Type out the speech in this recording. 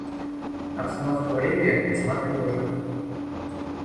Обстановка в Ливии весьма тревожна.